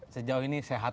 sejauh ini sehat